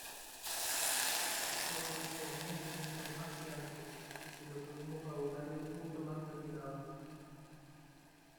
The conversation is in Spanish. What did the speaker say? Homer termina comiendo más que antes, pero con un vocabulario mucho más refinado.